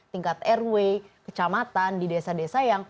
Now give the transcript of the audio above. tingkat rw kecamatan di desa desa yang